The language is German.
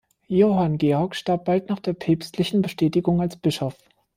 Johann Georg starb bald nach der päpstlichen Bestätigung als Bischof.